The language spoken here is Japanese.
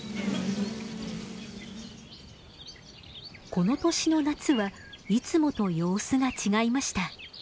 この年の夏はいつもと様子が違いました。